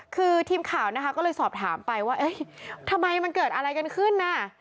คือทีมข่าวนะคะก็เลยสอบถามไปว่าทำไมมันเกิดอะไรกันขึ้นน่ะ